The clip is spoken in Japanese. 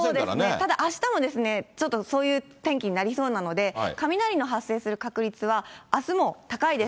ただあしたも、ちょっとそういう天気になりそうなので、雷の発生する確率は、あすも高いです。